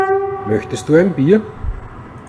Möchtest du ein Bier?